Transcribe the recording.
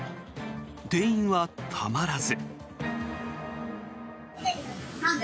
店員はたまらず。